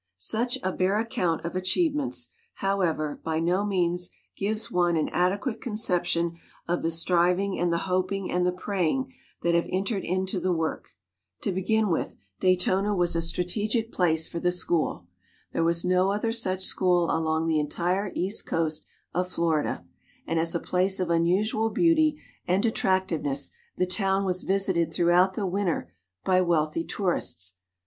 Such a bare account of achievements, however, by no means gives one an adequate conception of the striving and the hoping and the praying that have entered into the work. To begin with, Daytona was a strate gic place for the school. There was no other such school along the entire east coast of Florida, and as a place of unusual beauty and attractiveness the town was visited throughout the winter by wealthy tourists.